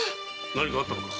何かあったのか？